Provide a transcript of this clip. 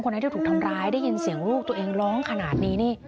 ไหนที่ถูกทำร้ายได้ยินเสียงลูกตัวเองร้องขนาดนี้นี่